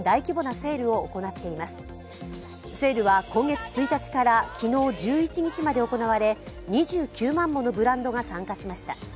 セールは今月１日から昨日１１日まで行われ２９万ものブランドが参加しました。